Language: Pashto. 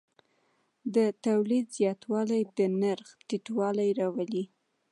د تولید زیاتوالی د نرخ ټیټوالی راولي.